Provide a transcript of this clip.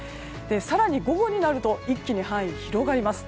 更に午後になると範囲が広がります。